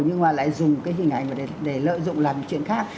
nhưng mà lại dùng cái hình ảnh để lợi dụng làm chuyện khác